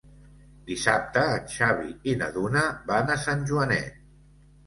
Dissabte en Xavi i na Duna van a Sant Joanet.